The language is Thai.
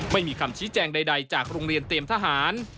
ไม่มีคำชี้แจงใดจากโรงเรียนเตรียมทหาร